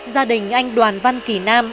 gia đình anh đoàn văn kỳ nam